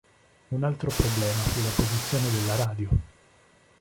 Un altro problema fu la posizione della radio.